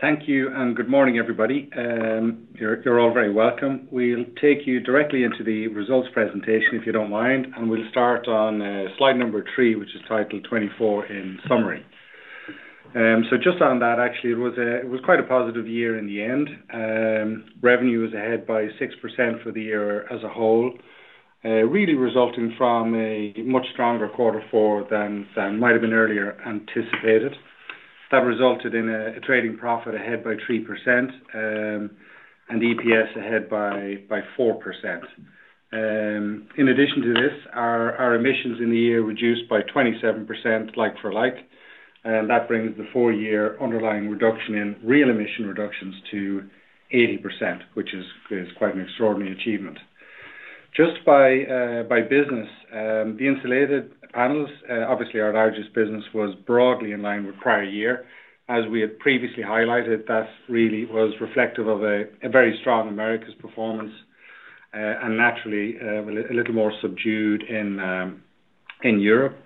Thank you and good morning, everybody. You're all very welcome. We'll take you directly into the results presentation, if you don't mind, and we'll start on slide number three, which is titled 24 in Summary. Just on that, actually, it was quite a positive year in the end. Revenue was ahead by 6% for the year as a whole, really resulting from a much stronger quarter four than might have been earlier anticipated. That resulted in a trading profit ahead by 3%, and EPS ahead by 4%. In addition to this, our emissions in the year reduced by 27%, like for like, and that brings the four-year underlying reduction in real emission reductions to 80%, which is quite an extraordinary achievement. Just by business, the insulated panels, obviously our largest business was broadly in line with prior year. As we had previously highlighted, that really was reflective of a very strong Americas performance, and naturally, a little more subdued in Europe.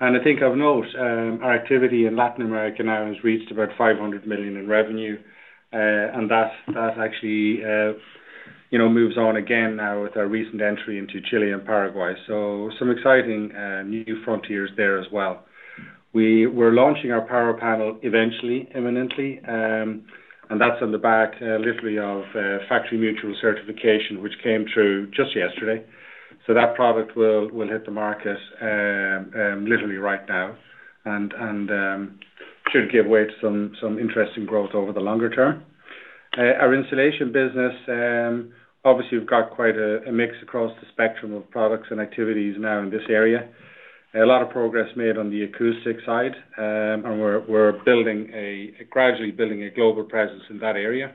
I think of note, our activity in Latin America now has reached about 500 million in revenue, and that actually, you know, moves on again now with our recent entry into Chile and Paraguay. Some exciting, new frontiers there as well. We were launching our PowerPanel eventually, imminently, and that's on the back, literally of Factory Mutual certification, which came through just yesterday. That product will hit the market, literally right now and should give way to some interesting growth over the longer term. Our insulation business, obviously we've got quite a mix across the spectrum of products and activities now in this area. A lot of progress made on the acoustic side, and we're gradually building a global presence in that area.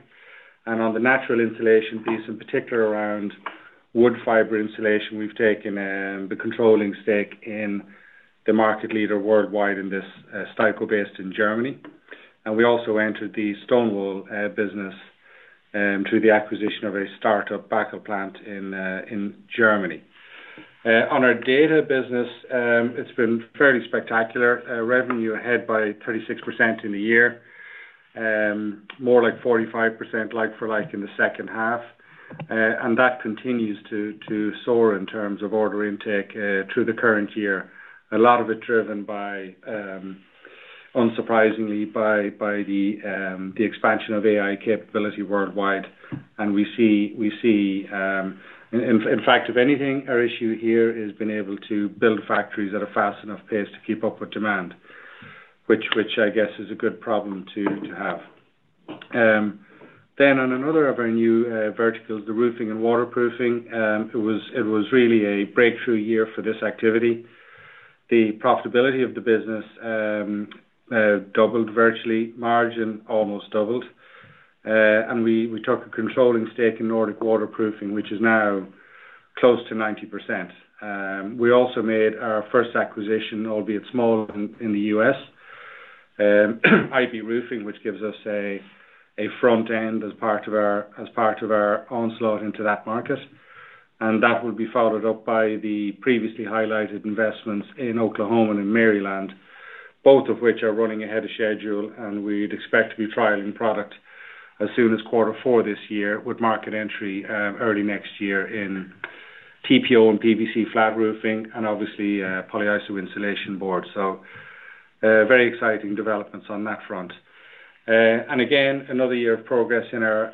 On the natural insulation piece, in particular around wood fiber insulation, we've taken the controlling stake in the market leader worldwide in this, Steico based in Germany. And we also entered the stone wool business through the acquisition of a startup backup plant in Germany. On our data business, it's been fairly spectacular. Revenue ahead by 36% in the year, more like 45% like-for-like in the second half. And that continues to soar in terms of order intake through the current year. A lot of it driven by, unsurprisingly, the expansion of AI capability worldwide. We see, in fact, out of anything, our issue here has been able to build factories at a fast enough pace to keep up with demand, which I guess is a good problem to have. On another of our new verticals, the roofing and waterproofing, it was really a breakthrough year for this activity. The profitability of the business virtually doubled. Margin almost doubled. And we took a controlling stake in Nordic Waterproofing, which is now close to 90%. We also made our first acquisition, albeit small, in the U.S., IB Roof Systems, which gives us a front end as part of our onslaught into that market. And that will be followed up by the previously highlighted investments in Oklahoma and in Maryland, both of which are running ahead of schedule, and we'd expect to be trialing product as soon as quarter four this year with market entry early next year in TPO and PVC flat roofing and obviously polyiso insulation board. So, very exciting developments on that front. And again, another year of progress in our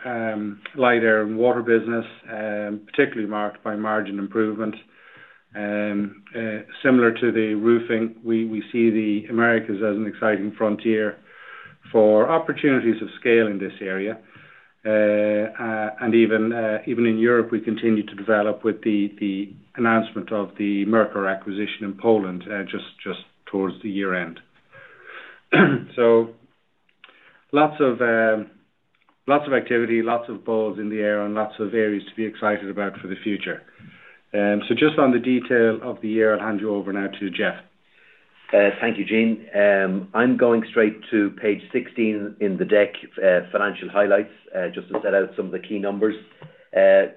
Light, Air & Water business, particularly marked by margin improvement. Similar to the roofing, we see the Americas as an exciting frontier for opportunities of scale in this area. And even in Europe, we continue to develop with the announcement of the Merkur acquisition in Poland just towards the year end. So lots of activity, lots of balls in the air, and lots of areas to be excited about for the future. So just on the detail of the year, I'll hand you over now to Jeff. Thank you, Gene. I'm going straight to page 16 in the deck, financial highlights, just to set out some of the key numbers.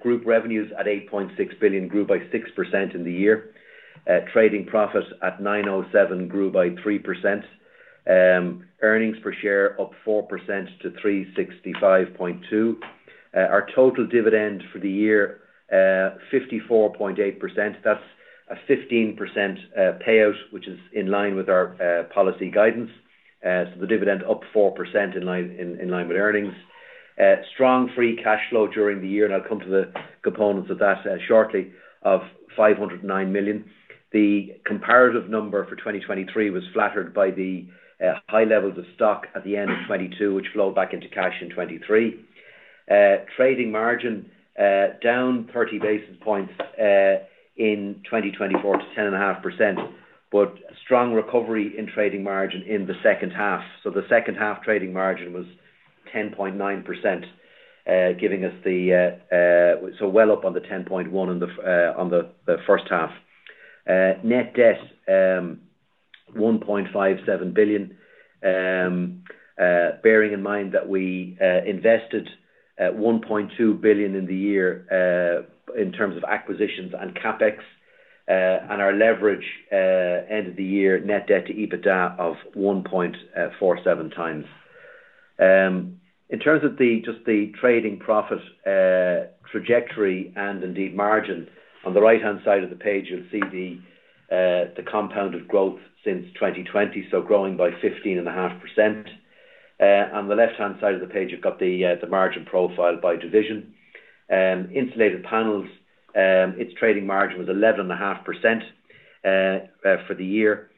Group revenues at 8.6 billion grew by 6% in the year. Trading profit at 907 million grew by 3%. Earnings per share up 4% to 3.652. Our total dividend for the year, 0.548. That's a 15% payout, which is in line with our policy guidance. The dividend up 4% in line with earnings. Strong free cash flow during the year, and I'll come to the components of that shortly, of 509 million. The comparative number for 2023 was flattered by the high levels of stock at the end of 2022, which flowed back into cash in 2023. Trading margin down 30 basis points in 2024 to 10.5%, but strong recovery in trading margin in the second half. So the second half trading margin was 10.9%, giving us so well up on the 10.1% in the first half. Net debt 1.57 billion, bearing in mind that we invested 1.2 billion in the year in terms of acquisitions and CapEx, and our leverage, end of the year net debt to EBITDA of 1.47 times. In terms of just the trading profit trajectory and indeed margin, on the right-hand side of the page, you'll see the compounded growth since 2020, so growing by 15.5%. On the left-hand side of the page, you've got the margin profile by division. Insulated Panels, its trading margin was 11.5% for the year.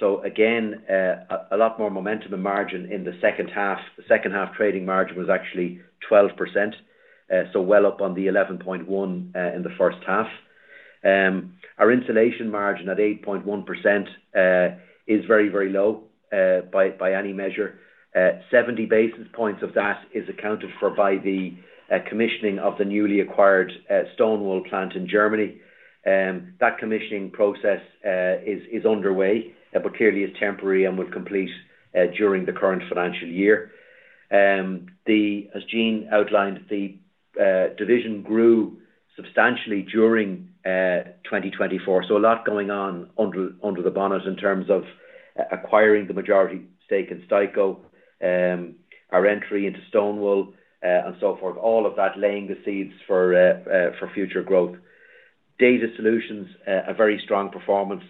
So again, a lot more momentum and margin in the second half. The second half trading margin was actually 12%, so well up on the 11.1% in the first half. Our insulation margin at 8.1% is very, very low by any measure. 70 basis points of that is accounted for by the commissioning of the newly acquired stone wool plant in Germany. That commissioning process is underway, but clearly is temporary and will complete during the current financial year. As Gene outlined, the division grew substantially during 2024. So a lot going on under the hood in terms of acquiring the majority stake in Steico, our entry into stone wool, and so forth, all of that laying the seeds for future growth. Data Solutions, a very strong performance,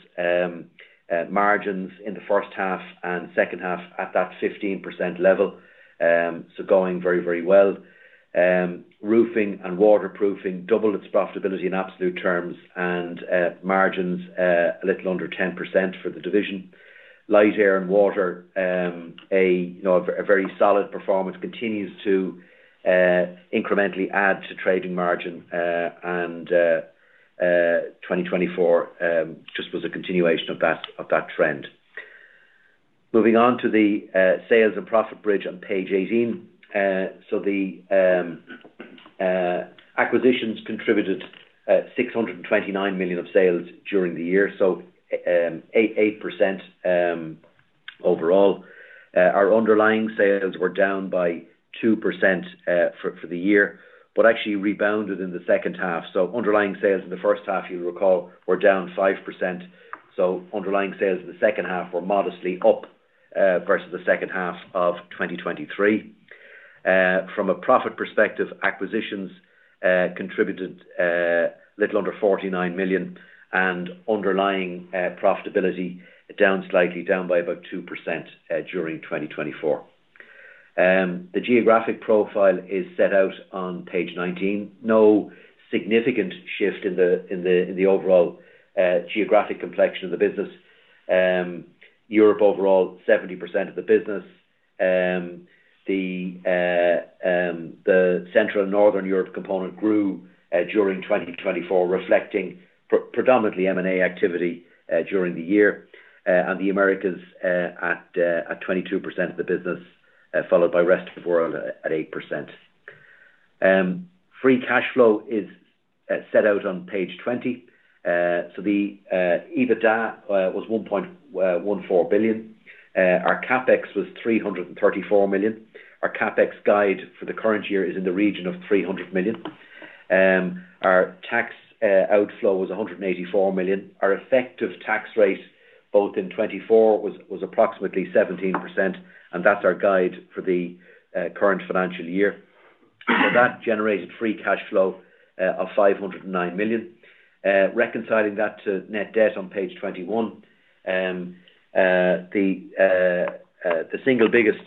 margins in the first half and second half at that 15% level, so going very, very well. Roofing and Waterproofing doubled its profitability in absolute terms and margins a little under 10% for the division. Light, Air & Water, you know, a very solid performance continues to incrementally add to trading margin, and 2024 just was a continuation of that trend. Moving on to the sales and profit bridge on page 18. Acquisitions contributed €629 million of sales during the year, so 88% overall. Our underlying sales were down by 2% for the year, but actually rebounded in the second half. Underlying sales in the first half, you'll recall, were down 5%. Underlying sales in the second half were modestly up versus the second half of 2023. From a profit perspective, acquisitions contributed a little under €49 million, and underlying profitability was down slightly by about 2% during 2024. The geographic profile is set out on page 19. No significant shift in the overall geographic complexion of the business. Europe overall, 70% of the business. The central and northern Europe component grew during 2024, reflecting predominantly M&A activity during the year. The Americas, at 22% of the business, followed by rest of the world at 8%. Free cash flow is set out on page 20. The EBITDA was 1.14 billion. Our CapEx was 334 million. Our CapEx guide for the current year is in the region of 300 million. Our tax outflow was 184 million. Our effective tax rate both in 2024 was approximately 17%, and that's our guide for the current financial year. That generated free cash flow of 509 million. Reconciling that to net debt on page 21, the single biggest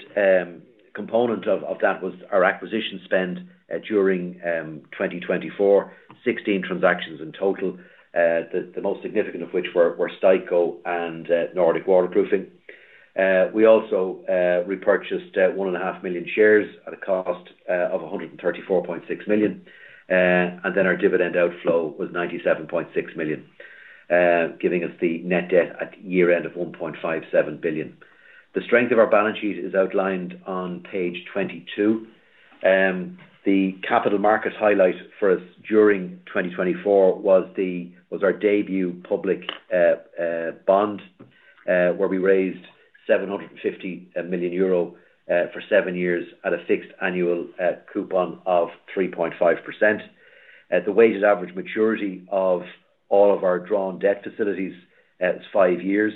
component of that was our acquisition spend during 2024, 16 transactions in total, the most significant of which were Steico and Nordic Waterproofing. We also repurchased 1.5 million shares at a cost of 134.6 million. And then our dividend outflow was 97.6 million, giving us the net debt at year end of 1.57 billion. The strength of our balance sheet is outlined on page 22. The capital market highlight for us during 2024 was our debut public bond, where we raised 750 million euro for seven years at a fixed annual coupon of 3.5%. The weighted average maturity of all of our drawn debt facilities is five years.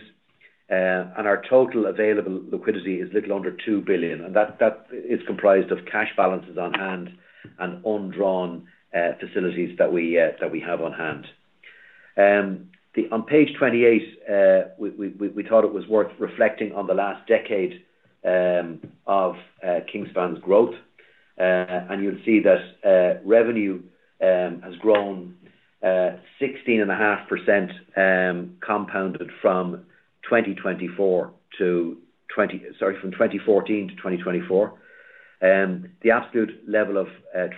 And our total available liquidity is little under 2 billion. And that is comprised of cash balances on hand and undrawn facilities that we have on hand. On page 28, we thought it was worth reflecting on the last decade of Kingspan's growth. And you'll see that revenue has grown 16.5%, compounded from 2024 to 20, sorry, from 2014 to 2024. The absolute level of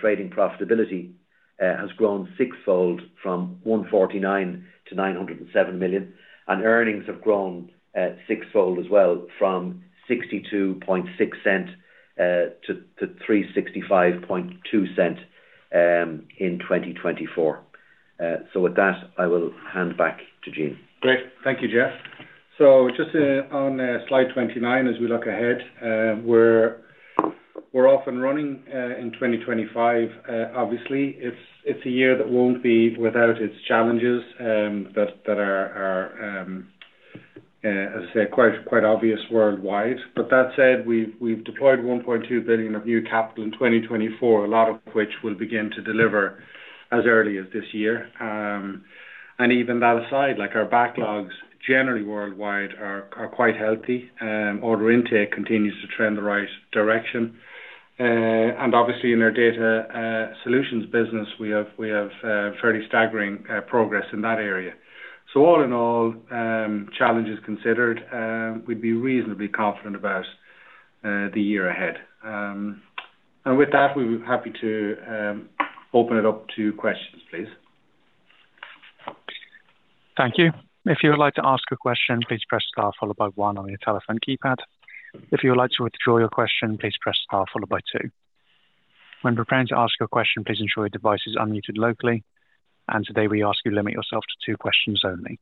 trading profitability has grown sixfold from 149 million to 907 million. And earnings have grown sixfold as well from 0.626 to 3.652 in 2024. So with that, I will hand back to Gene. Great. Thank you, Jeff. So just on slide 29, as we look ahead, we're off and running in 2025. Obviously, it's a year that won't be without its challenges that are, as I say, quite obvious worldwide. But that said, we've deployed 1.2 billion of new capital in 2024, a lot of which we'll begin to deliver as early as this year. Even that aside, like our backlogs generally worldwide are quite healthy. Order intake continues to trend the right direction. Obviously in our data solutions business, we have fairly staggering progress in that area. So all in all, challenges considered, we'd be reasonably confident about the year ahead. With that, we're happy to open it up to questions, please. Thank you. If you would like to ask a question, please press star followed by one on your telephone keypad. If you would like to withdraw your question, please press star followed by two. When preparing to ask your question, please ensure your device is unmuted locally. And today we ask you limit yourself to two questions only.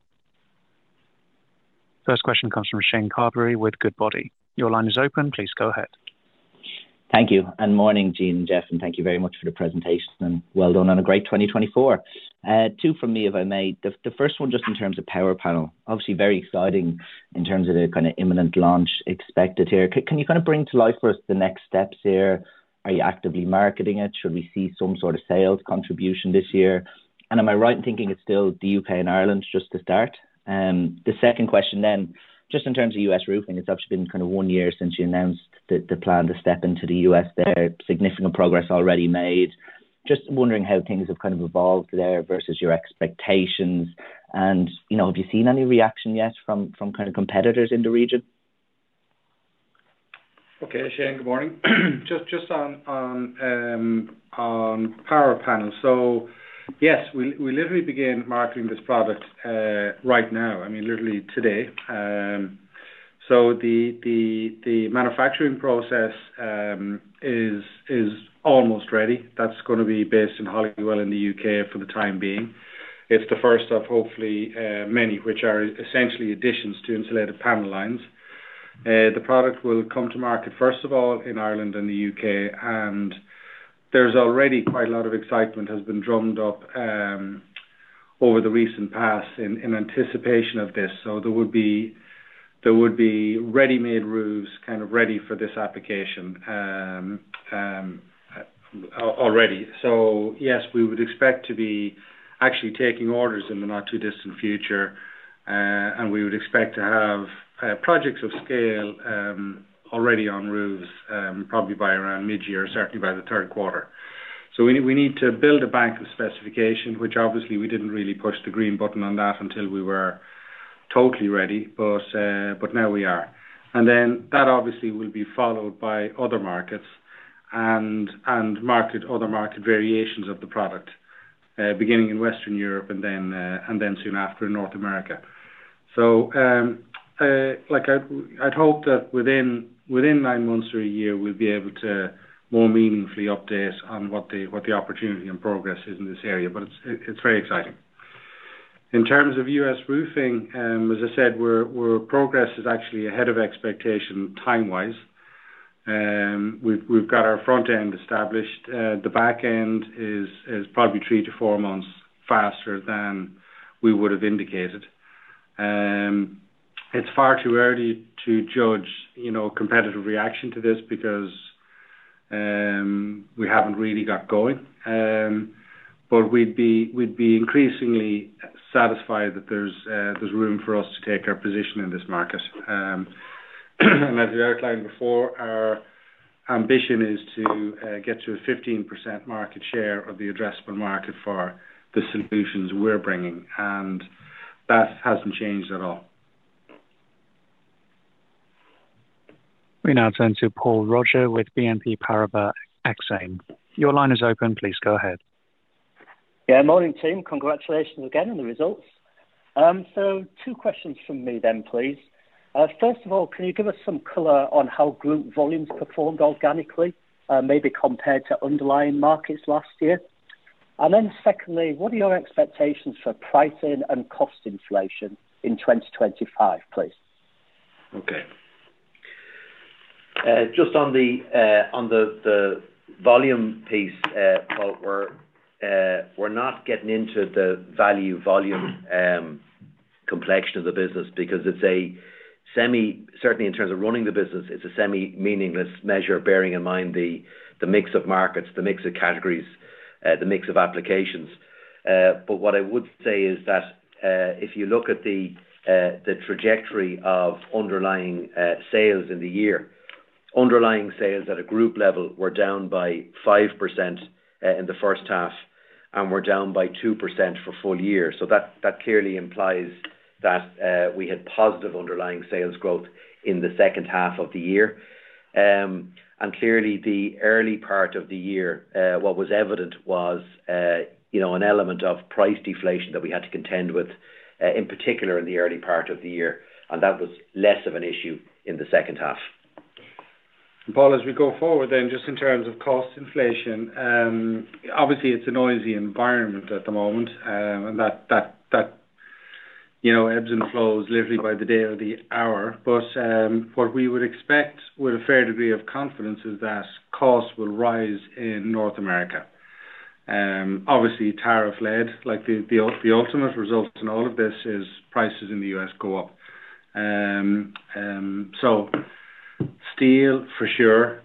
First question comes from Shane Carberry with Goodbody. Your line is open. Please go ahead. Thank you. Good morning, Gene, Jeff, and thank you very much for the presentation and well done on a great 2024. Two for me if I may. The first one just in terms of PowerPanel, obviously very exciting in terms of the kind of imminent launch expected here. Can you kind of bring to life for us the next steps here? Are you actively marketing it? Should we see some sort of sales contribution this year? And am I right in thinking it's still the U.K. and Ireland just to start? The second question then, just in terms of U.S. roofing, it's actually been kind of one year since you announced the plan to step into the U.S. there. Significant progress already made. Just wondering how things have kind of evolved there versus your expectations. You know, have you seen any reaction yet from kind of competitors in the region? Okay, Shane, good morning. Just on PowerPanel. So yes, we literally began marketing this product right now, I mean, literally today. So the manufacturing process is almost ready. That's gonna be based in Holywell in the U.K. for the time being. It's the first of hopefully many, which are essentially additions to insulated panel lines. The product will come to market first of all in Ireland and the U.K. And there's already quite a lot of excitement has been drummed up over the recent past in anticipation of this. So there would be ready-made roofs kind of ready for this application already. So yes, we would expect to be actually taking orders in the not too distant future. And we would expect to have projects of scale already on roofs, probably by around mid-year, certainly by the third quarter. So we need to build a bank of specification, which obviously we didn't really push the green button on that until we were totally ready. But now we are. And then that obviously will be followed by other markets and other market variations of the product, beginning in Western Europe and then soon after in North America. So, like I'd hope that within nine months or a year, we'll be able to more meaningfully update on what the opportunity and progress is in this area. But it's very exciting. In terms of U.S. roofing, as I said, our progress is actually ahead of expectation timewise. We've got our front end established. The back end is probably three-to-four months faster than we would have indicated. It's far too early to judge, you know, competitive reaction to this because we haven't really got going, but we'd be increasingly satisfied that there's room for us to take our position in this market, and as we outlined before, our ambition is to get to a 15% market share of the addressable market for the solutions we're bringing. And that hasn't changed at all. We now turn to Paul Roger with BNP Paribas Exane. Your line is open. Please go ahead. Yeah, morning, team. Congratulations again on the results. So two questions from me then, please. First of all, can you give us some color on how group volumes performed organically, maybe compared to underlying markets last year? And then secondly, what are your expectations for pricing and cost inflation in 2025, please? Okay. Just on the volume piece, Paul, we're not getting into the value volume complexion of the business because it's semi-meaningless in terms of running the business. It's a semi-meaningless measure, bearing in mind the mix of markets, the mix of categories, the mix of applications. What I would say is that if you look at the trajectory of underlying sales in the year, underlying sales at a group level were down by 5% in the first half, and down by 2% for full year. That clearly implies that we had positive underlying sales growth in the second half of the year. Clearly the early part of the year, what was evident was you know, an element of price deflation that we had to contend with, in particular in the early part of the year. That was less of an issue in the second half. Paul, as we go forward then, just in terms of cost inflation, obviously it's a noisy environment at the moment, and that you know ebbs and flows literally by the day or the hour. But what we would expect with a fair degree of confidence is that cost will rise in North America, obviously tariff-led, like the ultimate result in all of this is prices in the U.S. go up, so steel for sure,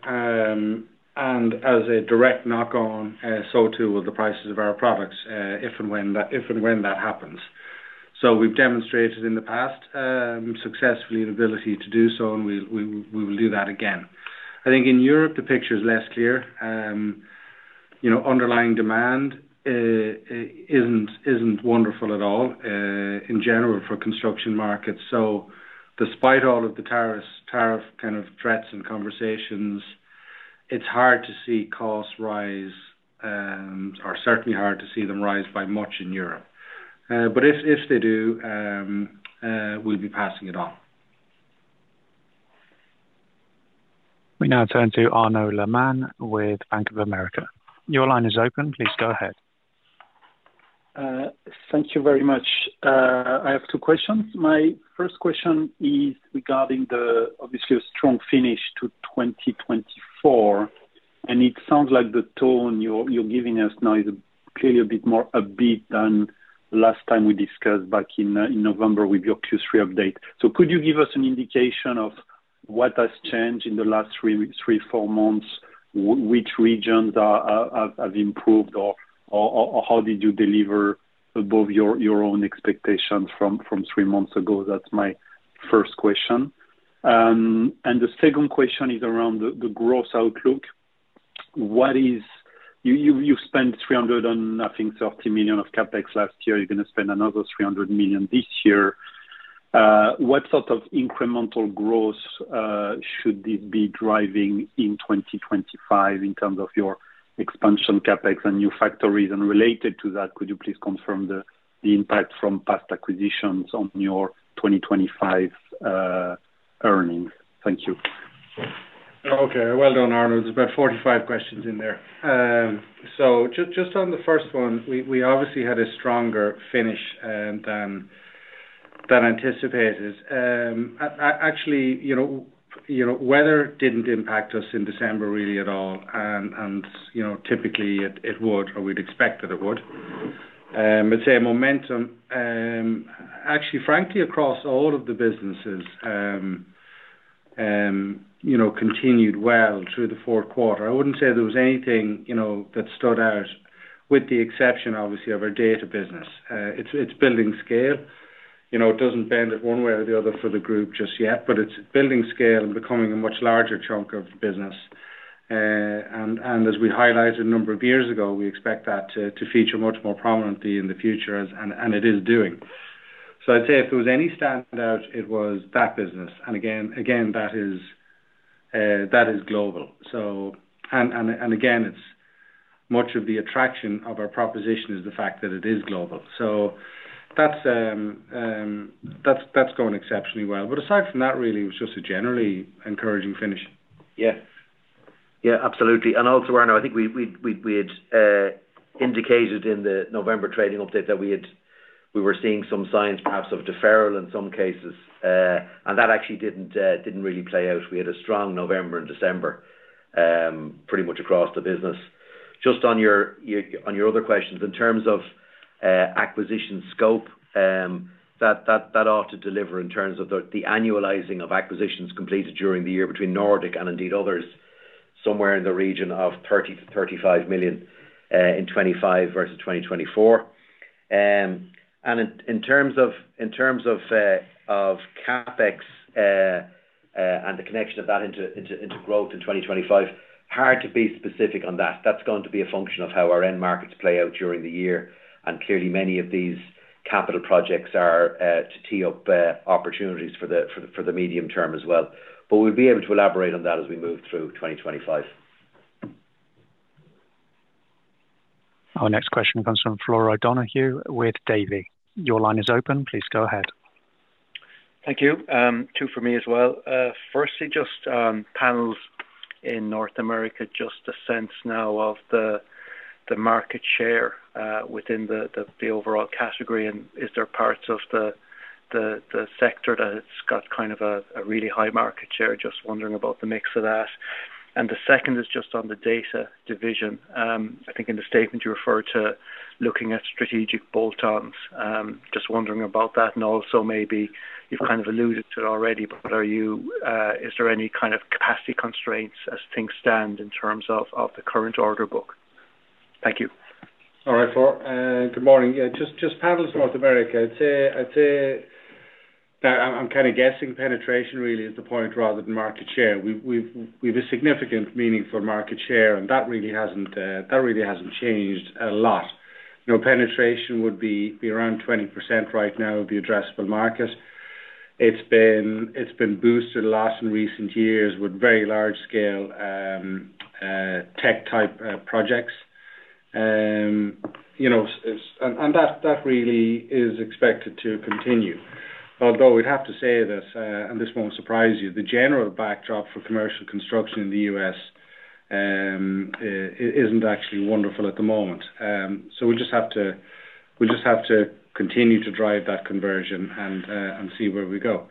and as a direct knock-on, so too with the prices of our products, if and when that happens. So we've demonstrated in the past successfully the ability to do so, and we'll we will do that again. I think in Europe, the picture's less clear. You know, underlying demand isn't wonderful at all, in general for construction markets. So despite all of the tariffs, tariff kind of threats and conversations, it's hard to see costs rise, or certainly hard to see them rise by much in Europe. But if, if they do, we'll be passing it on. We now turn to Arnaud Lehmann with Bank of America. Your line is open. Please go ahead. Thank you very much. I have two questions. My first question is regarding the, obviously, a strong finish to 2024. And it sounds like the tone you're giving us now is clearly a bit more upbeat than last time we discussed back in November with your Q3 update. So could you give us an indication of what has changed in the last three, four months, which regions are, have improved or how did you deliver above your own expectations from three months ago? That's my first question. And the second question is around the growth outlook. You've spent €330 million of CapEx last year. You're gonna spend another €300 million this year. What sort of incremental growth should this be driving in 2025 in terms of your expansion CapEx and new factories? Related to that, could you please confirm the impact from past acquisitions on your 2025 earnings? Thank you. Okay. Well done, Arno. There's about 45 questions in there, so just on the first one, we obviously had a stronger finish than anticipated. Actually, you know, weather didn't impact us in December really at all. And you know, typically it would, or we'd expect that it would. I'd say momentum, actually, frankly, across all of the businesses, you know, continued well through the fourth quarter. I wouldn't say there was anything, you know, that stood out with the exception, obviously, of our data business. It's building scale. You know, it doesn't bend it one way or the other for the group just yet, but it's building scale and becoming a much larger chunk of business. And as we highlighted a number of years ago, we expect that to feature much more prominently in the future, as it is doing. So I'd say if there was any standout, it was that business. And again, that is global. So again, it's much of the attraction of our proposition is the fact that it is global. So that's gone exceptionally well. But aside from that, really, it was just a generally encouraging finish. Yeah. Yeah, absolutely, and also, Arno, I think we had indicated in the November trading update that we were seeing some signs perhaps of deferral in some cases, and that actually didn't really play out. We had a strong November and December, pretty much across the business. Just on your other questions, in terms of acquisition scope, that ought to deliver in terms of the annualizing of acquisitions completed during the year between Nordic and indeed others, somewhere in the region of 30 million-35 million in 2025 versus 2024, and in terms of CapEx, and the connection of that into growth in 2025, hard to be specific on that. That's going to be a function of how our end markets play out during the year. Clearly, many of these capital projects are, to tee up, opportunities for the medium term as well. We'll be able to elaborate on that as we move through 2025. Our next question comes from Flora O'Donohue with Davy. Your line is open. Please go ahead. Thank you. Two for me as well. Firstly, just panels in North America, just a sense now of the market share within the overall category. And is there parts of the sector that it's got kind of a really high market share? Just wondering about the mix of that. And the second is just on the data division. I think in the statement you referred to looking at strategic bolt-ons, just wondering about that. And also maybe you've kind of alluded to it already, but is there any kind of capacity constraints as things stand in terms of the current order book? Thank you. All right, Paul. Good morning. Yeah, just panels North America. I'd say, I'm kind of guessing penetration really is the point rather than market share. We have a significant market share, and that really hasn't changed a lot. You know, penetration would be around 20% right now of the addressable market. It's been boosted last and recent years with very large-scale, tech-type projects. You know, it's, and that really is expected to continue. Although we'd have to say this, and this won't surprise you, the general backdrop for commercial construction in the U.S. isn't actually wonderful at the moment. So we just have to continue to drive that conversion and see where we go.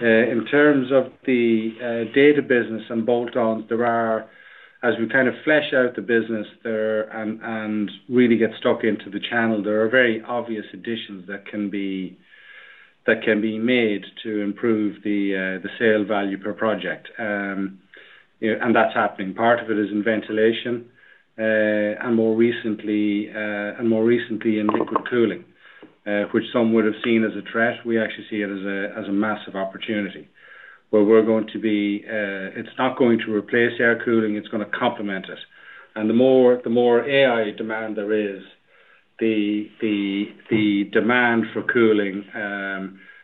In terms of the data business and bolt-ons, there are, as we kind of flesh out the business there and really get stuck into the channel, there are very obvious additions that can be made to improve the sale value per project. You know, and that's happening. Part of it is in ventilation, and more recently in liquid cooling, which some would have seen as a threat. We actually see it as a massive opportunity where we're going to be. It's not going to replace air cooling. It's gonna complement it. And the more AI demand there is, the demand for cooling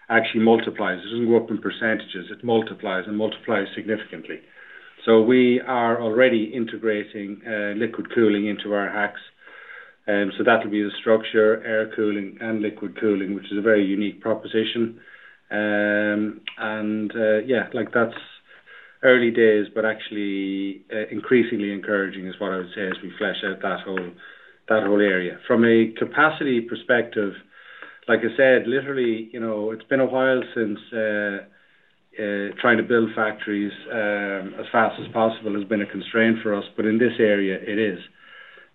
actually multiplies. It doesn't grow up in percentages. It multiplies and multiplies significantly. So we are already integrating liquid cooling into our racks. So that'll be the structure, air cooling, and liquid cooling, which is a very unique proposition. And, yeah, like that's early days, but actually, increasingly encouraging is what I would say as we flesh out that whole, that whole area. From a capacity perspective, like I said, literally, you know, it's been a while since, trying to build factories, as fast as possible has been a constraint for us. But in this area, it is.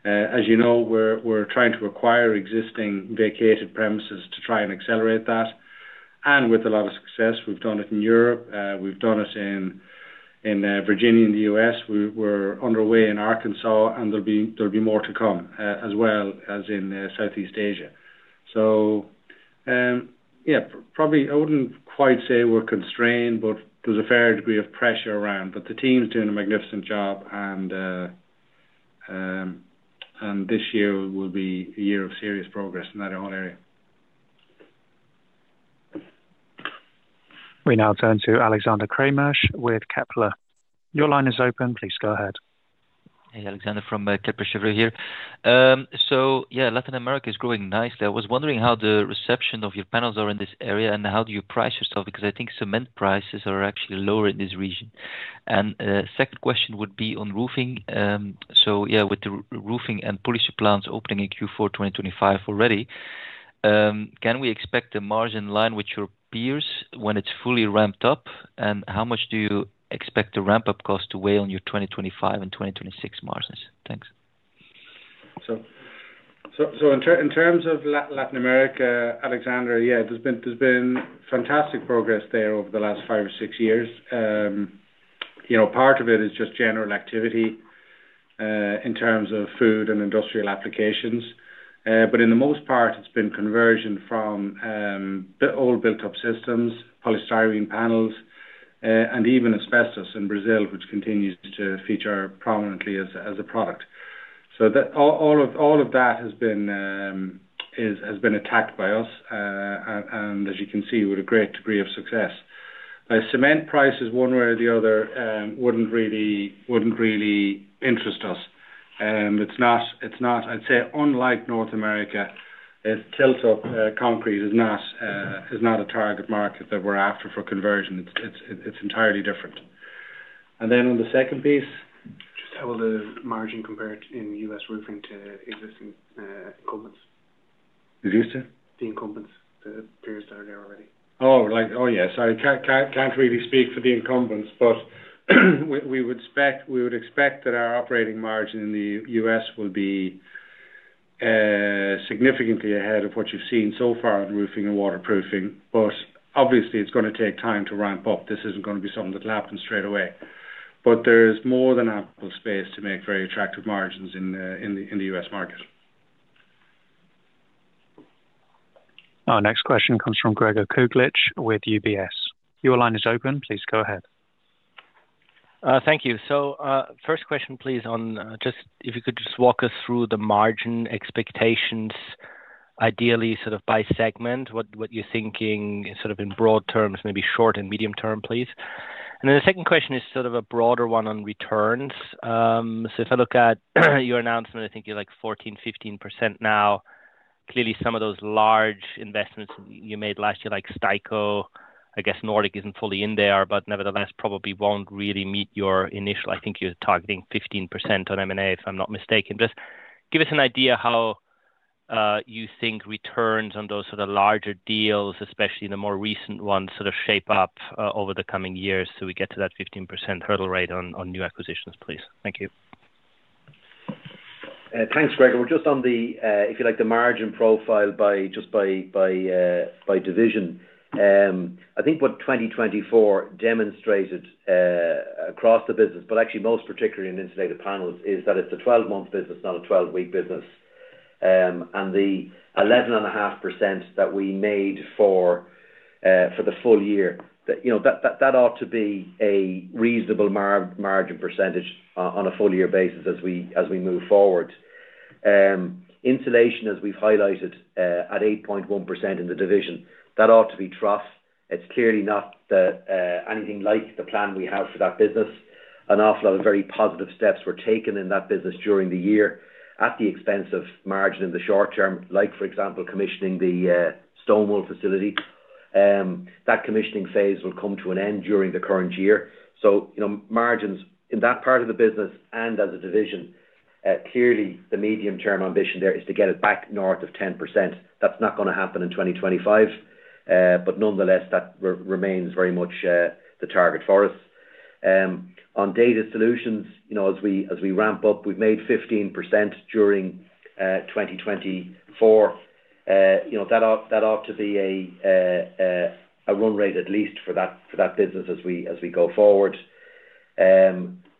As you know, we're trying to acquire existing vacated premises to try and accelerate that. And with a lot of success, we've done it in Europe. We've done it in Virginia in the U.S. We're underway in Arkansas, and there'll be, there'll be more to come, as well as in Southeast Asia. So, yeah, probably I wouldn't quite say we're constrained, but there's a fair degree of pressure around. But the team's doing a magnificent job. And this year will be a year of serious progress in that whole area. We now turn to Alexander Krumm with Kepler Chevreux. Your line is open. Please go ahead. Hey, Alexander from Kepler Chevreux here. So yeah, Latin America is growing nicely. I was wondering how the reception of your panels are in this area and how do you price yourself because I think cement prices are actually lower in this region. And second question would be on roofing. So yeah, with the Roofing and Waterproofing plants opening in Q4 2025 already, can we expect a margin in line with your peers when it's fully ramped up? And how much do you expect the ramp-up cost to weigh on your 2025 and 2026 margins? Thanks. So in terms of Latin America, Alexander, yeah, there's been fantastic progress there over the last five or six years. You know, part of it is just general activity, in terms of food and industrial applications. But in the most part, it's been conversion from old built-up systems, polystyrene panels, and even asbestos in Brazil, which continues to feature prominently as a product. So that all of that has been attacked by us, and as you can see, with a great degree of success. Now, cement prices one way or the other wouldn't really interest us. It's not, I'd say, unlike North America, tilt-up concrete is not a target market that we're after for conversion. It's entirely different. And then on the second piece. Just how will the margin compare in U.S. roofing to existing incumbents? Excuse me? The incumbents. The peers that are there already. Oh yeah. Sorry. Can't really speak for the incumbents, but we would expect that our operating margin in the U.S. will be significantly ahead of what you've seen so far in roofing and waterproofing. But obviously, it's gonna take time to ramp up. This isn't gonna be something that'll happen straight away. But there's more than ample space to make very attractive margins in the U.S. market. Our next question comes from Gregor Kuglitsch with UBS. Your line is open. Please go ahead. Thank you. So, first question, please, on just if you could just walk us through the margin expectations, ideally sort of by segment, what, what you're thinking sort of in broad terms, maybe short and medium term, please. And then the second question is sort of a broader one on returns. So if I look at your announcement, I think you're like 14%-15% now. Clearly, some of those large investments you made last year, like Steico, I guess Nordic isn't fully in there, but nevertheless, probably won't really meet your initial, I think you're targeting 15% on M&A, if I'm not mistaken. Just give us an idea how you think returns on those sort of larger deals, especially the more recent ones, sort of shape up, over the coming years so we get to that 15% hurdle rate on new acquisitions, please. Thank you. Thanks, Gregor. We're just on the, if you like, the margin profile by division. I think what 2024 demonstrated, across the business, but actually most particularly in Insulated Panels, is that it's a 12-month business, not a 12-week business, and the 11.5% that we made for the full year, that, you know, that ought to be a reasonable margin percentage on a full-year basis as we move forward. Insulation, as we've highlighted, at 8.1% in the division, that ought to be tough. It's clearly not anything like the plan we have for that business. An awful lot of very positive steps were taken in that business during the year at the expense of margin in the short term, like, for example, commissioning the stone wool facility. That commissioning phase will come to an end during the current year. So, you know, margins in that part of the business and as a division, clearly, the medium-term ambition there is to get it back north of 10%. That's not gonna happen in 2025, but nonetheless, that remains very much the target for us. On data solutions, you know, as we ramp up, we've made 15% during 2024. You know, that ought to be a run rate at least for that business as we go forward.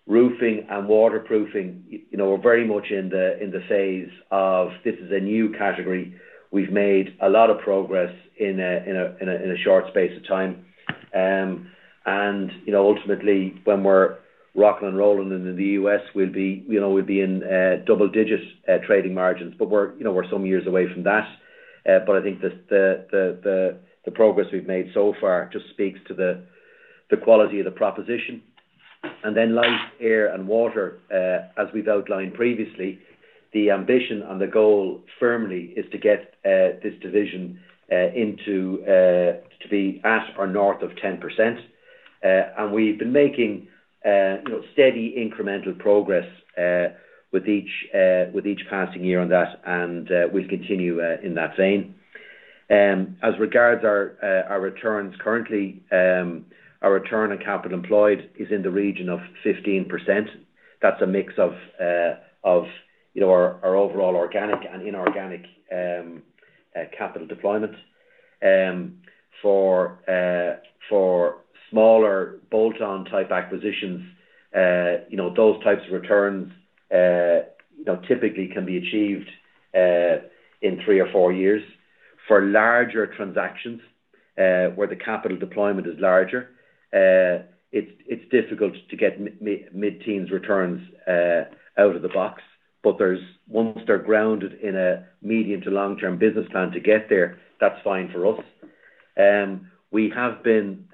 Roofing and waterproofing, you know, we're very much in the phase of this is a new category. We've made a lot of progress in a short space of time. And, you know, ultimately, when we're rocking and rolling in the U.S., we'll be, you know, in double-digit trading margins. But we're, you know, some years away from that. I think the progress we've made so far just speaks to the quality of the proposition. Then Light, Air, and Water, as we've outlined previously, the ambition and the goal firmly is to get this division into, to be at or north of 10%. We've been making, you know, steady incremental progress with each passing year on that. We'll continue in that vein. As regards our returns currently, our return on capital employed is in the region of 15%. That's a mix of, you know, our overall organic and inorganic capital deployment. For smaller bolt-on type acquisitions, you know, those types of returns, you know, typically can be achieved in three or four years. For larger transactions, where the capital deployment is larger, it's difficult to get mid-teens returns out of the box. But once they're grounded in a medium- to long-term business plan to get there, that's fine for us. We have been,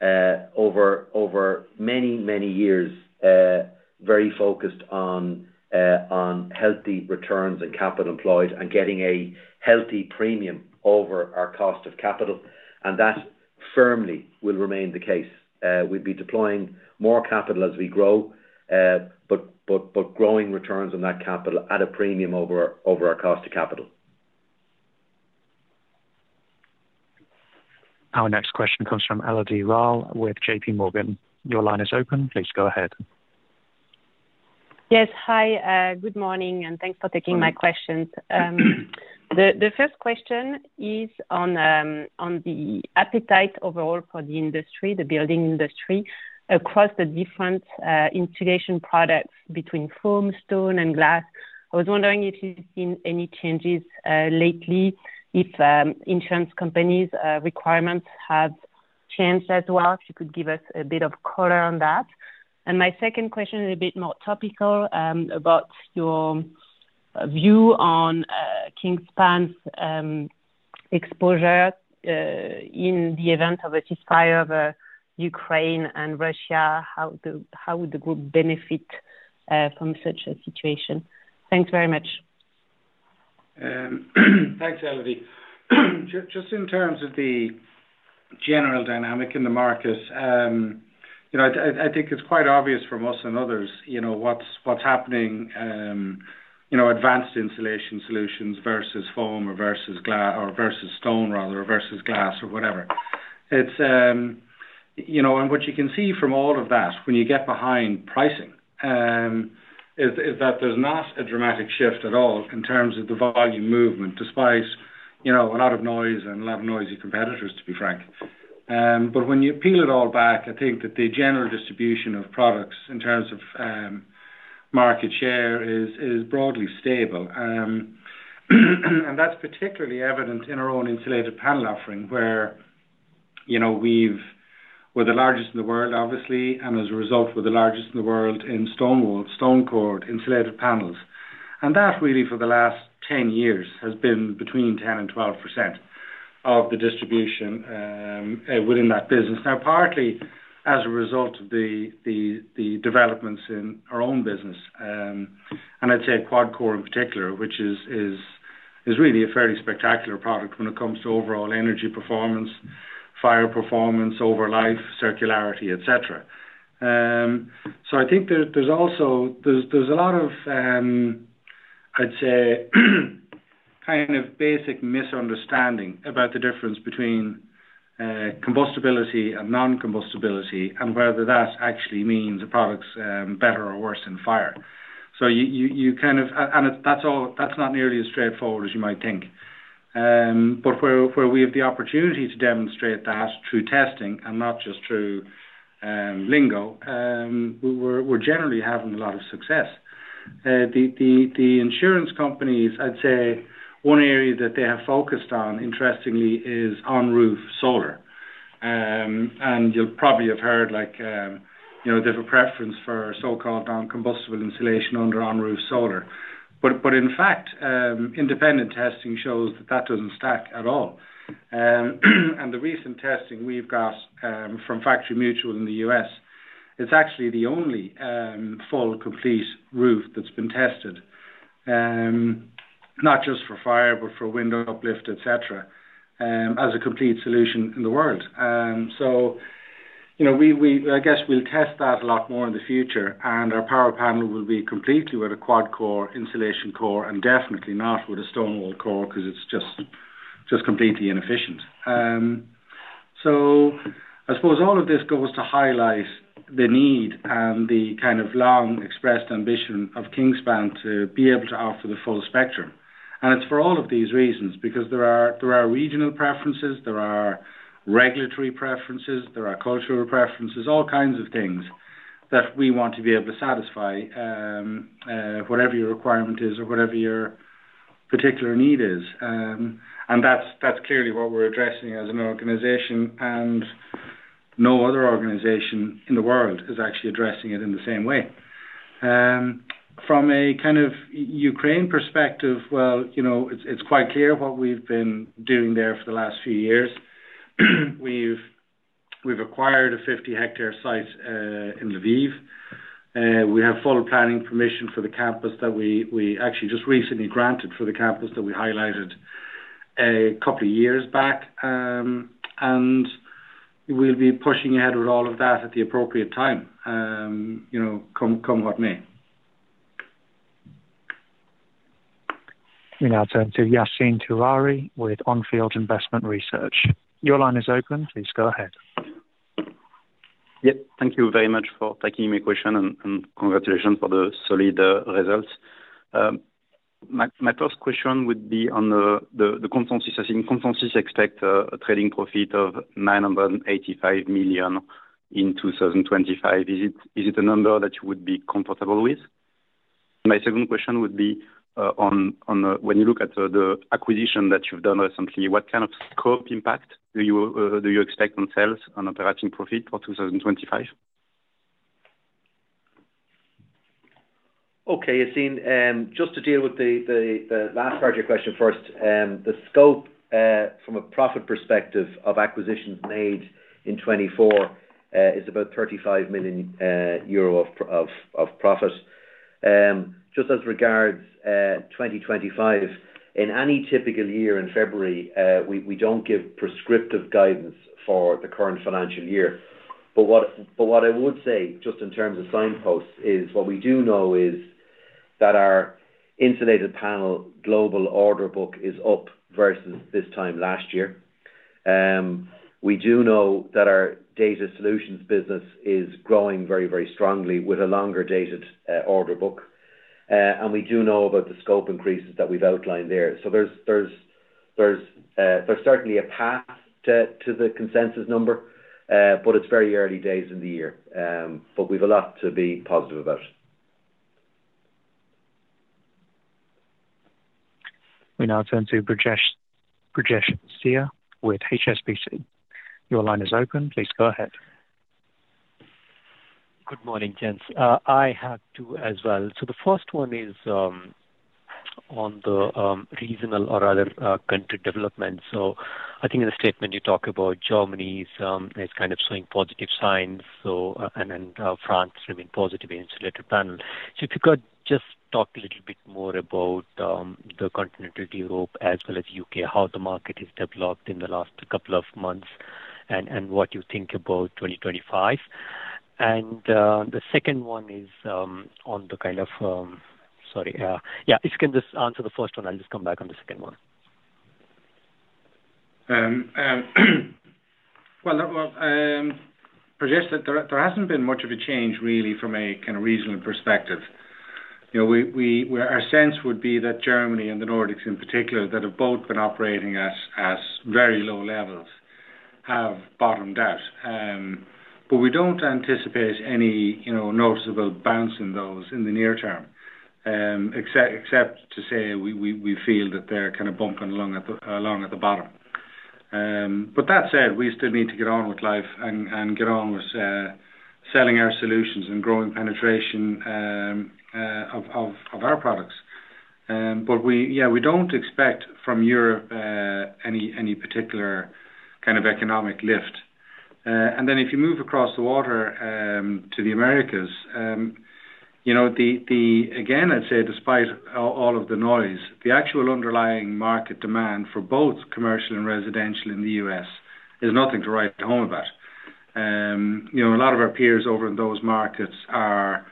over many years, very focused on healthy returns and capital employed and getting a healthy premium over our cost of capital. And that firmly will remain the case. We'll be deploying more capital as we grow, but growing returns on that capital at a premium over our cost of capital. Our next question comes from Elodie Rall with JPMorgan. Your line is open. Please go ahead. Yes. Hi, good morning, and thanks for taking my questions. The first question is on the appetite overall for the industry, the building industry, across the different insulation products between foam, stone, and glass. I was wondering if you've seen any changes lately, if insurance companies' requirements have changed as well, if you could give us a bit of color on that. My second question is a bit more topical, about your view on Kingspan's exposure in the event of a ceasefire of Ukraine and Russia. How would the group benefit from such a situation? Thanks very much. Thanks, Elodie. Just in terms of the general dynamic in the markets, you know, I think it's quite obvious for us and others, you know, what's happening, you know, advanced insulation solutions versus foam or versus glass or versus stone, rather, or versus glass or whatever. It's, you know, and what you can see from all of that when you get behind pricing, is that there's not a dramatic shift at all in terms of the volume movement despite, you know, a lot of noise and a lot of noisy competitors, to be frank. But when you peel it all back, I think that the general distribution of products in terms of market share is broadly stable. And that's particularly evident in our own insulated panel offering where, you know, we've, we're the largest in the world, obviously, and as a result, we're the largest in the world in stone wool, stone core insulated panels. And that really, for the last 10 years, has been between 10%-12% of the distribution, within that business. Now, partly as a result of the developments in our own business, and I'd say QuadCore in particular, which is really a fairly spectacular product when it comes to overall energy performance, fire performance, over-life, circularity, etc. So I think there's also a lot of, I'd say, kind of basic misunderstanding about the difference between combustibility and non-combustibility and whether that actually means the product's better or worse in fire. You kind of, and that's not nearly as straightforward as you might think. Where we have the opportunity to demonstrate that through testing and not just through lingo, we're generally having a lot of success. The insurance companies, I'd say one area that they have focused on, interestingly, is on-roof solar. You'll probably have heard, like, you know, they have a preference for so-called non-combustible insulation under on-roof solar. In fact, independent testing shows that that doesn't stack at all. The recent testing we've got from Factory Mutual in the U.S., it's actually the only full complete roof that's been tested, not just for fire but for wind uplift, etc., as a complete solution in the world. You know, we I guess we'll test that a lot more in the future, and our PowerPanel will be completely with a QuadCore insulation core and definitely not with a stone wool core 'cause it's just completely inefficient. I suppose all of this goes to highlight the need and the kind of long expressed ambition of Kingspan to be able to offer the full spectrum. It's for all of these reasons because there are regional preferences, there are regulatory preferences, there are cultural preferences, all kinds of things that we want to be able to satisfy, whatever your requirement is or whatever your particular need is. That's clearly what we're addressing as an organization, and no other organization in the world is actually addressing it in the same way. From a kind of Ukraine perspective, well, you know, it's quite clear what we've been doing there for the last few years. We've acquired a 50-hectare site in Lviv. We have full planning permission for the campus that we actually just recently granted for the campus that we highlighted a couple of years back. We'll be pushing ahead with all of that at the appropriate time, you know, come what may. We now turn to Yassine Touahri with Onfield Investment Research. Your line is open. Please go ahead. Yep. Thank you very much for taking my question and congratulations for the solid results. My first question would be on the consensus. As in, consensus expect a trading profit of 985 million in 2025. Is it a number that you would be comfortable with? My second question would be on when you look at the acquisition that you've done recently, what kind of scope impact do you expect on sales and operating profit for 2025? Okay, Yassine, just to deal with the last part of your question first, the scope, from a profit perspective of acquisitions made in 2024, is about 35 million euro of profit. Just as regards 2025, in any typical year in February, we don't give prescriptive guidance for the current financial year. But what I would say just in terms of signposts is what we do know is that our insulated panel global order book is up versus this time last year. We do know that our data solutions business is growing very, very strongly with a longer dated order book. And we do know about the scope increases that we've outlined there. So there's certainly a path to the consensus number, but it's very early days in the year. But we've a lot to be positive about. We now turn to Brijesh, Brijesh Siya with HSBC. Your line is open. Please go ahead. Good morning, gents. I had two as well. So the first one is on the regional or other country development. So I think in the statement you talk about Germany's. It's kind of showing positive signs. So and then France is showing positive insulated panel. So if you could just talk a little bit more about the continental Europe as well as U.K., how the market has developed in the last couple of months and what you think about 2025. And the second one is on the kind of. Sorry, yeah, if you can just answer the first one, I'll just come back on the second one. Well, Brijesh, there hasn't been much of a change really from a kind of regional perspective. You know, our sense would be that Germany and the Nordics in particular that have both been operating at very low levels have bottomed out. But we don't anticipate any, you know, noticeable bounce in those in the near term, except to say we feel that they're kind of bumping along at the bottom. But that said, we still need to get on with life and get on with selling our solutions and growing penetration of our products. But we, yeah, we don't expect from Europe any particular kind of economic lift. And then if you move across the water, to the Americas, you know, the again, I'd say despite all of the noise, the actual underlying market demand for both commercial and residential in the U.S. is nothing to write home about. You know, a lot of our peers over in those markets are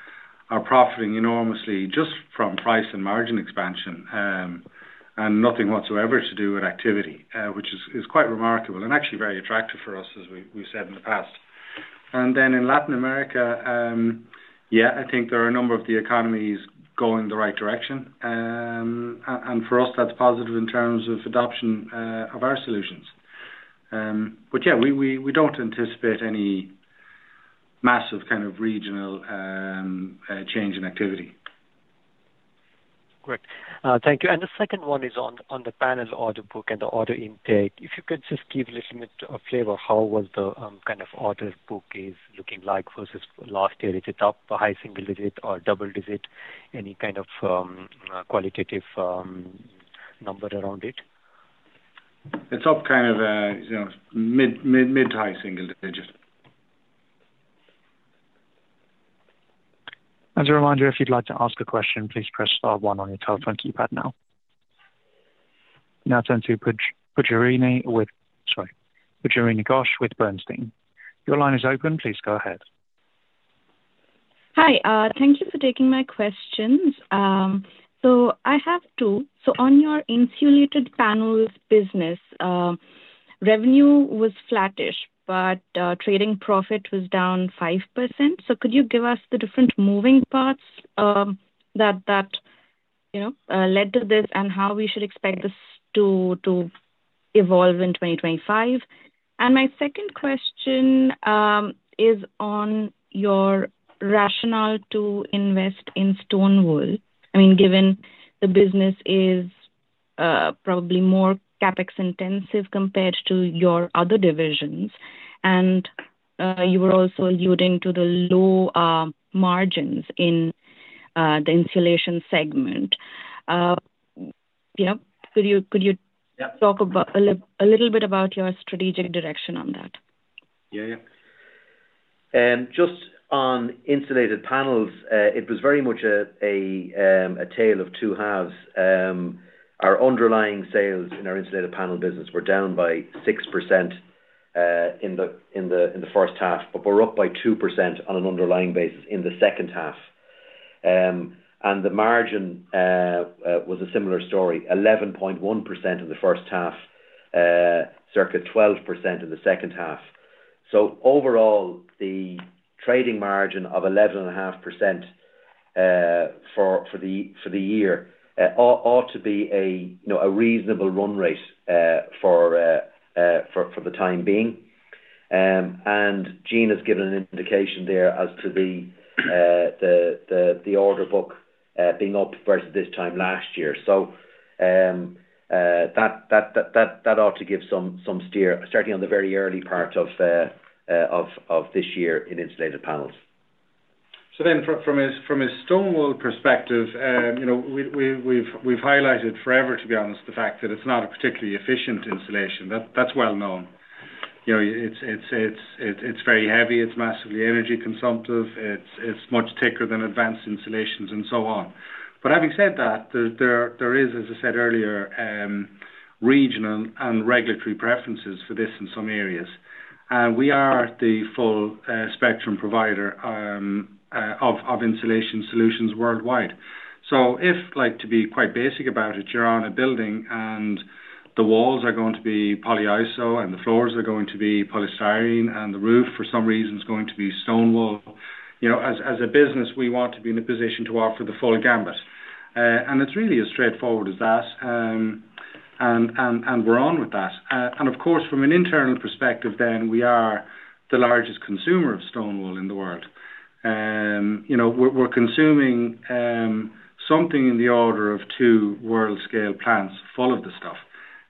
profiting enormously just from price and margin expansion, and nothing whatsoever to do with activity, which is quite remarkable and actually very attractive for us as we've said in the past. And then in Latin America, yeah, I think there are a number of the economies going the right direction. And for us, that's positive in terms of adoption of our solutions. But yeah, we don't anticipate any massive kind of regional change in activity. Great. Thank you. And the second one is on the panel order book and the order intake. If you could just give a little bit of flavor, how was the kind of order book is looking like versus last year? Is it up a high single digit or double digit? Any kind of qualitative number around it? It's up kind of, you know, mid to high single digit. As a reminder, if you'd like to ask a question, please press star one on your telephone keypad now. Now turn to Pujarini with, sorry, Pujarini Ghosh with Bernstein. Your line is open. Please go ahead. Hi, thank you for taking my questions. So I have two. So on your insulated panels business, revenue was flattish, but trading profit was down 5%. So could you give us the different moving parts that you know led to this and how we should expect this to evolve in 2025? And my second question is on your rationale to invest in stone wool. I mean, given the business is probably more CapEx intensive compared to your other divisions, and you were also alluding to the low margins in the insulation segment, you know, could you talk about a little bit about your strategic direction on that? Yeah, yeah. Just on insulated panels, it was very much a tale of two halves. Our underlying sales in our insulated panel business were down by 6% in the first half, but we're up by 2% on an underlying basis in the second half. The margin was a similar story, 11.1% in the first half, circa 12% in the second half. Overall, the trading margin of 11.5% for the year ought to be, you know, a reasonable run rate for the time being. Gene has given an indication there as to the order book being up versus this time last year. That ought to give some steer, certainly on the very early part of this year in insulated panels. So then from a stone wool perspective, you know, we've highlighted forever, to be honest, the fact that it's not a particularly efficient insulation. That's well known. You know, it's very heavy. It's massively energy consumptive. It's much thicker than advanced insulations and so on. But having said that, there is, as I said earlier, regional and regulatory preferences for this in some areas. And we are the full spectrum provider of insulation solutions worldwide. So if, like, to be quite basic about it, you're on a building and the walls are going to be polyiso and the floors are going to be polystyrene and the roof for some reason is going to be stone wool, you know, as a business, we want to be in a position to offer the full gamut. It's really as straightforward as that, and we're on with that. Of course, from an internal perspective, we are the largest consumer of stone wool in the world. You know, we're consuming something in the order of two world-scale plants full of the stuff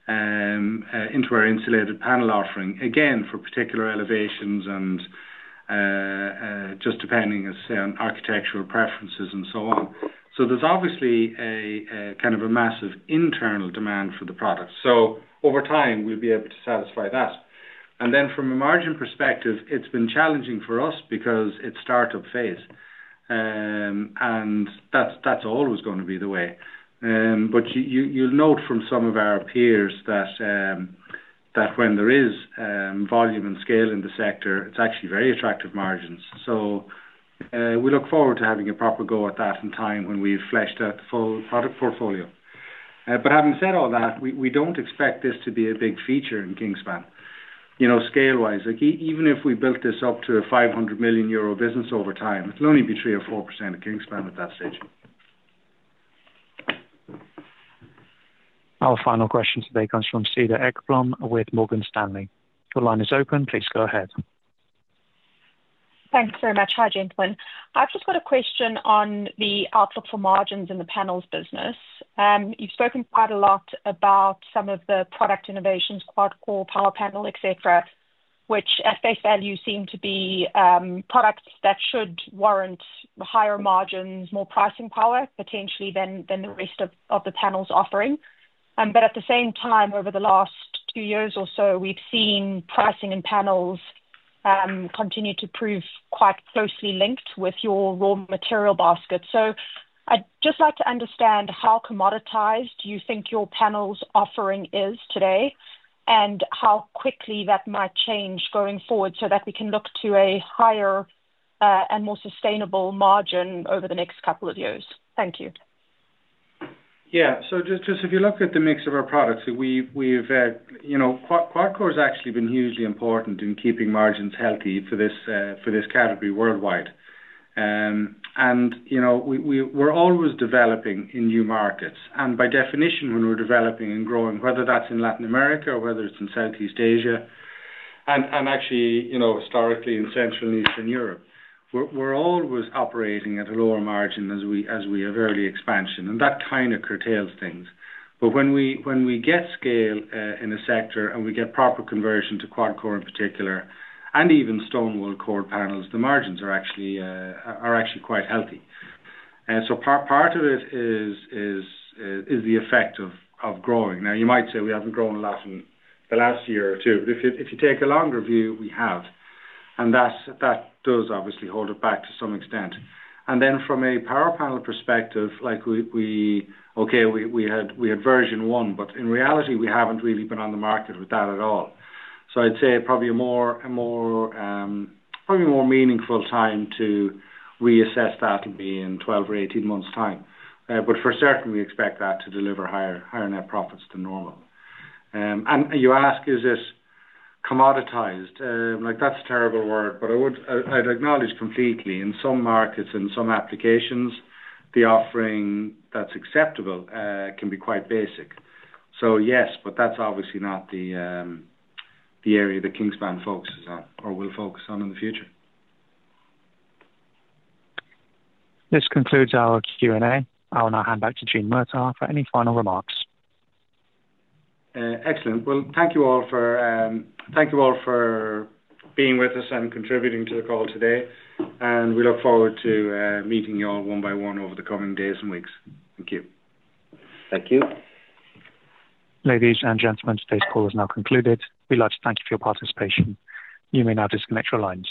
into our insulated panel offering, again, for particular elevations and just depending, as I say, on architectural preferences and so on, so there's obviously a kind of massive internal demand for the product, so over time, we'll be able to satisfy that, and then from a margin perspective, it's been challenging for us because it's startup phase. That's always going to be the way, but you'll note from some of our peers that when there is volume and scale in the sector, it's actually very attractive margins. So, we look forward to having a proper go at that in time when we've fleshed out the full product portfolio. But having said all that, we don't expect this to be a big feature in Kingspan, you know, scale-wise. Like, even if we built this up to a 500 million euro business over time, it'll only be three or four% of Kingspan at that stage. Our final question today comes from Cedric Ekblom with Morgan Stanley. Your line is open. Please go ahead. Thanks very much, Jason. I've just got a question on the outlook for margins in the panels business. You've spoken quite a lot about some of the product innovations, QuadCore, PowerPanel, etc., which at face value seem to be products that should warrant higher margins, more pricing power potentially than the rest of the panels offering, but at the same time, over the last two years or so, we've seen pricing in panels continue to prove quite closely linked with your raw material basket, so I'd just like to understand how commoditized you think your panels offering is today and how quickly that might change going forward so that we can look to a higher and more sustainable margin over the next couple of years. Thank you. Yeah. So just if you look at the mix of our products, we've, you know, QuadCore has actually been hugely important in keeping margins healthy for this category worldwide. And, you know, we're always developing in new markets. And by definition, when we're developing and growing, whether that's in Latin America or whether it's in Southeast Asia and actually, you know, historically in Central and Eastern Europe, we're always operating at a lower margin as we have early expansion. And that kind of curtails things. But when we get scale in a sector and we get proper conversion to QuadCore in particular, and even stone wool core panels, the margins are actually quite healthy. So part of it is the effect of growing. Now, you might say we haven't grown a lot in the last year or two, but if you take a longer view, we have. And that does obviously hold it back to some extent. And then from a PowerPanel perspective, like, we had version one, but in reality, we haven't really been on the market with that at all. So I'd say probably a more meaningful time to reassess that will be in 12 or 18 months' time. But for certain, we expect that to deliver higher net profits than normal. And you ask, is this commoditized? Like, that's a terrible word, but I'd acknowledge completely in some markets and some applications, the offering that's acceptable can be quite basic. So yes, but that's obviously not the area that Kingspan focuses on or will focus on in the future. This concludes our Q&A. I'll now hand back to Gene Murtagh for any final remarks. Excellent. Well, thank you all for being with us and contributing to the call today. And we look forward to meeting you all one by one over the coming days and weeks. Thank you. Thank you. Ladies and gentlemen, today's call is now concluded. We'd like to thank you for your participation. You may now disconnect your lines.